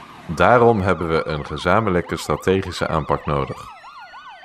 Daarom hebben we een gezamenlijke strategische aanpak nodig.